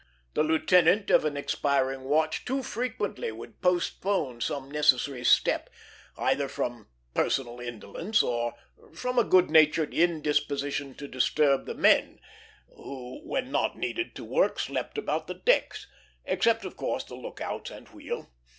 The lieutenant of an expiring watch too frequently would postpone some necessary step, either from personal indolence or from a good natured indisposition to disturb the men, who when not needed to work slept about the decks except, of course, the lookouts and wheel.